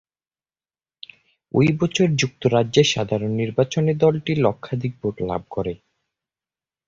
ঐ বছর যুক্তরাজ্যের সাধারণ নির্বাচনে দলটি লক্ষাধিক ভোট লাভ করে।